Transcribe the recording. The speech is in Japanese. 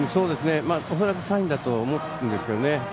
恐らくサインだと思うんですけどね。